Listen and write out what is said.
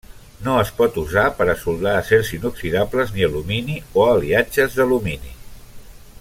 No es pot usar per a soldar acers inoxidables ni alumini o aliatges d'alumini.